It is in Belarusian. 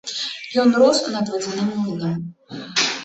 Ён рос над вадзяным млынам.